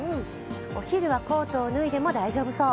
お昼はコートを脱いでも大丈夫そう。